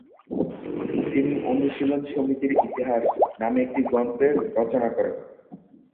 তিনি "অনুশীলন সমিতির ইতিহাস" নামে একটি গ্রন্থের রচনা করেন।